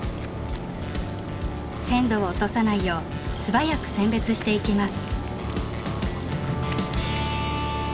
鮮度を落とさないよう素早く選別していきます。